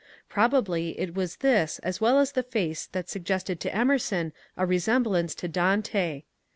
Probably it was this as well as the face that suggested to Emerson a resemblance to Dante.